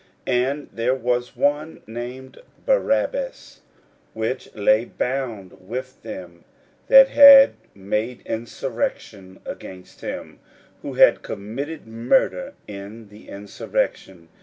41:015:007 And there was one named Barabbas, which lay bound with them that had made insurrection with him, who had committed murder in the insurrection.